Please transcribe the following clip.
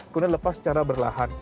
kemudian lepas secara berlahan